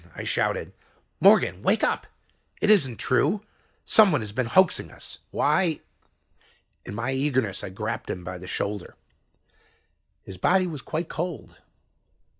I shouted. "Morgan! Wake up, it isn't true. Some one has been hoaxing us. Why..." In my eagerness I grasped him by the shoulder. His body was quite cold.